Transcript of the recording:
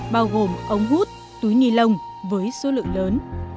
bao gồm ống hút túi nilon với số lượng lớn